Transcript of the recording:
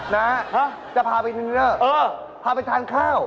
น้าจะพาไปทางนี้หรือพาไปทานข้าวเออ